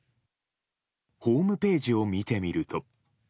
ホームページを見てみると。